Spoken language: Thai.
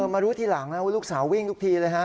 มารู้ทีหลังนะว่าลูกสาววิ่งทุกทีเลยฮะ